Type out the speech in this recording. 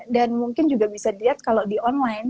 mungkin juga bisa dilihat kalau di online